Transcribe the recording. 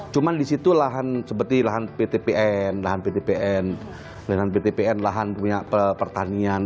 cuma di situ lahan seperti lahan ptpn lahan ptpn lahan ptpn lahan punya pertanian